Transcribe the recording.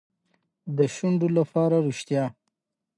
د شونډو لپاره ریښتیا.